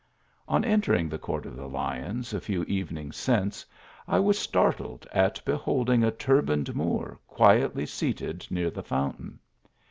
On entering the Court of the Lions, a few even ings since, I was startled at beholding a turbanecl Moor quietly seated near the fountain.